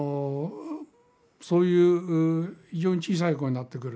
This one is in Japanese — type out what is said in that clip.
そういう非常に小さい声になってくる。